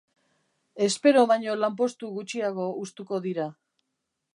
Espero baino lanpostu gutxiago hustuko dira.